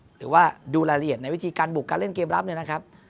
หรือว่าดูรายละเอียดในวิธีการบุกการเล่นเกมรับ